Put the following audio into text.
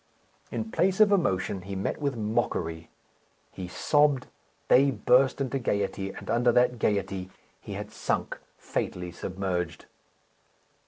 In place of emotion, he met with mockery. He sobbed; they burst into gaiety, and under that gaiety he had sunk fatally submerged.